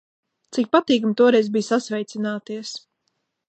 Cik patīkami toreiz bija sasveicināties!